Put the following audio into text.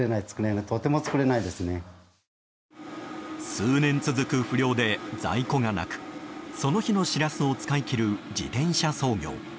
数年続く不漁で、在庫がなくその日のシラスを使い切る自転車操業。